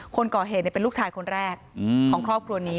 คนก่อเหตุเป็นลูกชายคนแรกของครอบครัวนี้